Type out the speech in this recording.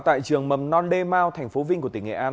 tại trường mầm non demao thành phố vinh của tỉnh nghệ an